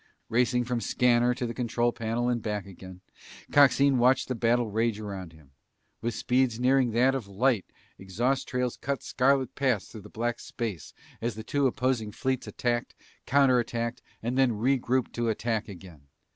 Racing from scanner to the control panel and back again, Coxine watched the battle rage around him. With speeds nearing that of light, exhaust trails cut scarlet paths through the black space, as the two opposing fleets attacked, counterattacked, and then regrouped to attack again.